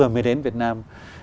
vừa mới đến việt nam